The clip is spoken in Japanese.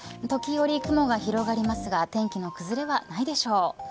時折、雲が広がりますが天気の崩れはないでしょう。